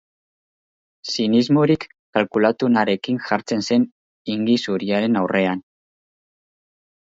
Zinismorik kalkulatuenarekin jartzen zen ingi zuriaren aurrean.